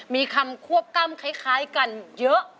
มีคำควบกล้ามคล้ายกันเยอะ